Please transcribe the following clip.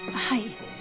はい。